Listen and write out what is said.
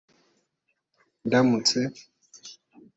Ndamutse